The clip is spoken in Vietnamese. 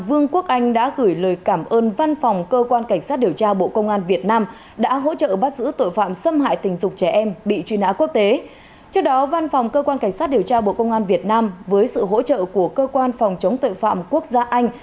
với sự hỗ trợ của cơ quan phòng chống tội phạm quốc gia anh